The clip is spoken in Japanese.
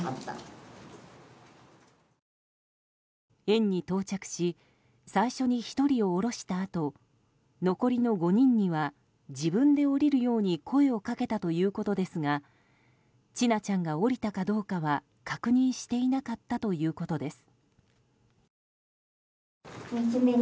園に到着し最初に１人を降ろしたあと残りの５人には自分で降りるように声をかけたということですが千奈ちゃんが降りたかどうかは確認していなかったということです。